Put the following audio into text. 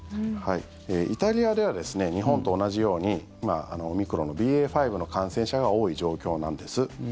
イタリアでは日本と同じようにオミクロンのＢＡ．５の感染者が多い状況なんです。